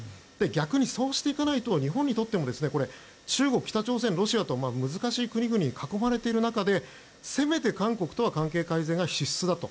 逆にそうしていかないと日本にとっても中国、北朝鮮、ロシアと難しい国々に囲まれている中でせめて韓国とは関係改善が必須だと。